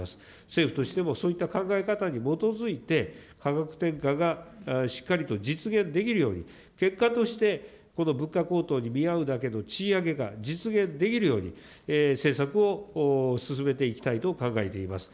政府としてもそういった考え方に基づいて、価格転嫁がしっかりと実現できるように、結果として、この物価高騰に見合うだけの賃上げが実現できるように、政策を進めていきたいと考えています。